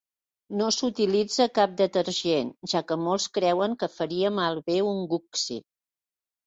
No s'utilitza cap detergent, ja que molts creuen que faria malbé un guksi.